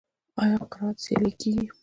آیا قرائت سیالۍ کیږي؟